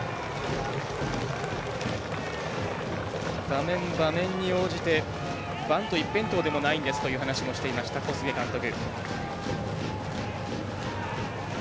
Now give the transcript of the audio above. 場面場面に応じてバント一辺倒でもないんですという話をしていました小菅監督。